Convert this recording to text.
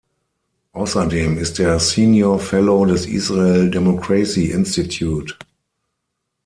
Außerdem ist er Senior Fellow des Israel Democracy Institute.